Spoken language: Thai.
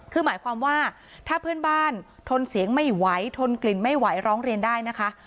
คือหมายความว่าถ้าเพื่อนบ้านทนเสียงไม่ไหวทนกลิ่นไม่ไหวร้องเรียนได้นะคะ